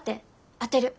当てる！